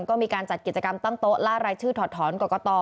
ก็มีการจัดกิจกรรมตั้งโต๊ะล่ารายชื่อถอดถอนกรกต